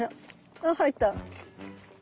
あっ入った。